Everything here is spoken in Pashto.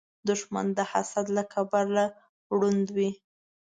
دښمن د حسد له کبله ړوند وي